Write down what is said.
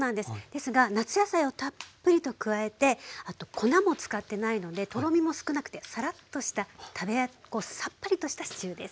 ですが夏野菜をたっぷりと加えてあと粉も使ってないのでとろみも少なくてサラッとしたさっぱりとしたシチューです。